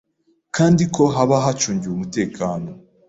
kandi ho haba hacungiwe umutekano.